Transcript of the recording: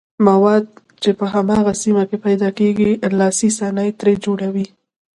مواد چې په هماغه سیمه کې پیداکیږي لاسي صنایع ترې جوړوي.